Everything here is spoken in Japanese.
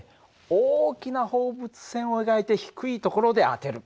大きな放物線を描いて低いところで当てる。